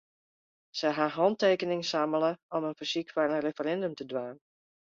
Sy ha hantekeningen sammele om in fersyk foar in referindum te dwaan.